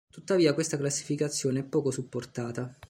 Tuttavia questa classificazione è poco supportata.